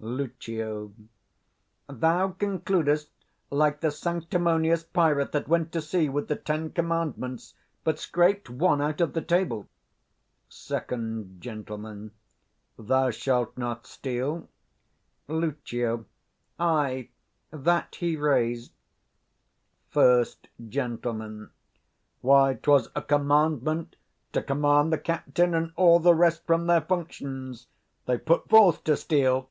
Lucio. Thou concludest like the sanctimonious pirate, that went to sea with the Ten Commandments, but scraped one out of the table. Sec. Gent. 'Thou shalt not steal'? 10 Lucio. Ay, that he razed. First Gent. Why, 'twas a commandment to command the captain and all the rest from their functions: they put forth to steal.